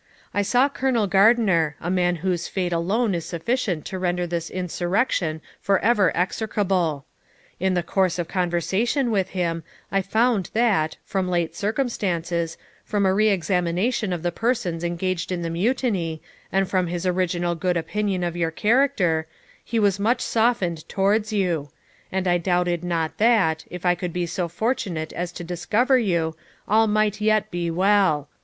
I saw Colonel Gardiner, a man whose fate alone is sufficient to render this insurrection for ever execrable. In the course of conversation with him I found that, from late circumstances, from a reexamination of the persons engaged in the mutiny, and from his original good opinion of your character, he was much softened towards you; and I doubted not that, if I could be so fortunate as to discover you, all might yet be well.